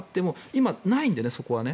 今、ないんでね、そこは。